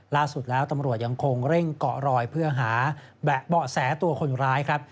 ล่าสุดแล้วตำรวจยังคงเร่งเกาะรอยเพื่อหาเบาะแสตัวคนร้ายครับ